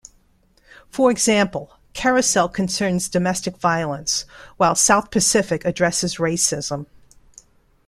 For example, "Carousel" concerns domestic violence, while "South Pacific" addresses racism.